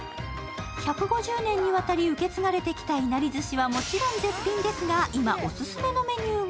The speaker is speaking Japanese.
１５０年にわたり受け継がれてきたいなり寿司はもちろん絶品ですが今、おすすめのメニューが